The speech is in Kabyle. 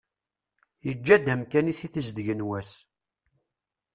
Yeǧǧa-d amkan-is i tezdeg n wass.